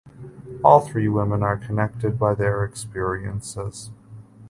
All three women are connected by their experiences.